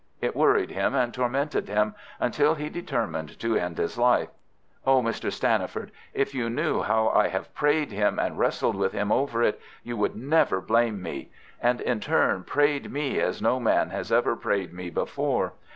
It worried him and tormented him, until he determined to end his life. Oh, Mr. Stanniford, if you knew how I have prayed him and wrestled with him over it, you would never blame me! And he in turn prayed me as no man has ever prayed me before.